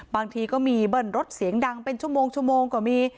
บางทีก็มีเบิ้ลรถเสียงดังเป็นชั่วโมงก็มี